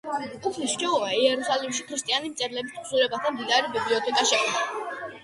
უფლის რჩეულმა იერუსალიმში ქრისტიანი მწერლების თხზულებათა მდიდარი ბიბლიოთეკა შექმნა.